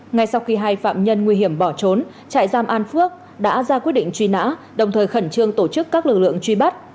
ngay sau khi hai phạm nhân nguy hiểm bỏ trốn trại giam an phước đã ra quyết định truy nã đồng thời khẩn trương tổ chức các lực lượng truy bắt